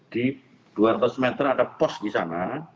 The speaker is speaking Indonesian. di dua ratus meter ada pos di sana